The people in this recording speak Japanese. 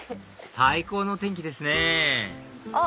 最高の天気ですねあっ！